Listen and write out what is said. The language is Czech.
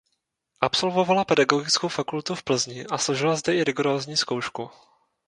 Absolvovala pedagogickou fakultu v Plzni a složila zde i rigorózní zkoušku.